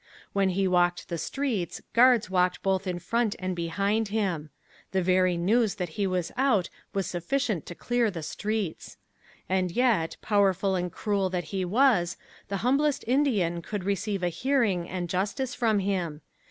When he walked the streets guards walked both in front and behind him. The very news that he was out was sufficient to clear the streets. And yet, powerful and cruel that he was, the humblest Indian could receive a hearing and justice from him.